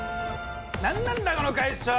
何なんだこの会社は！